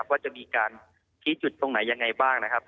ว่าจะมีการชี้จุดตรงไหนยังไงบ้างนะครับ